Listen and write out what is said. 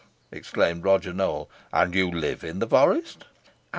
exclaimed Roger Nowell, "and you live in the forest?"